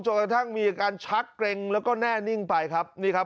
กระทั่งมีอาการชักเกร็งแล้วก็แน่นิ่งไปครับนี่ครับ